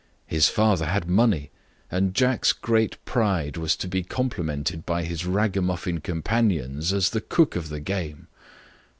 His father had money; and Jack's great pride was to be complimented by his raggamuffin companions as the cook of the game.